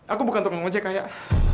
aku bukan tukang ojek ayah